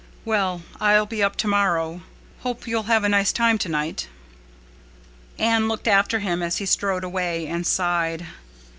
"Well, I'll be up tomorrow. Hope you'll have a nice time tonight." Anne looked after him as he strode away, and sighed.